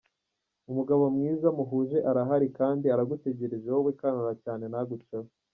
Umugabo mwiza, muhuje arahari kandi aragutegereje wowe kanura cyane ntaguceho.